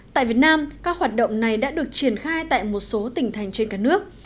tại việt nam các hoạt động này đã được triển khai tại một số tỉnh thành trên cả nước